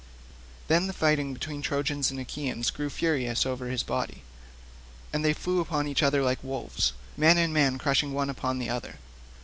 Then the fight between Trojans and Achaeans grew furious over his body, and they flew upon each other like wolves, man and man crushing one upon the other.